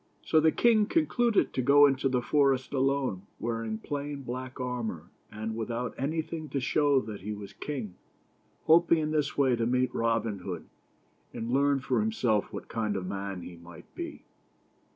So the king concluded to go into the forest alone, wearing plain black armor, and without anything to show that he was king; hoping in this way to meet Robin Hood, and learn for himself what kind of a man he might be.